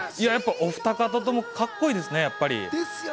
お二方ともカッコいいですね、やっぱり。